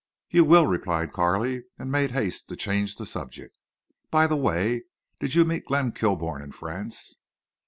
"You will," replied Carley, and made haste to change the subject. "By the way, did you meet Glenn Kilbourne in France?"